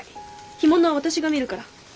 干物は私が見るから。